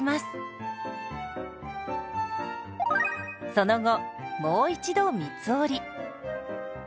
その後もう一度三つ折り。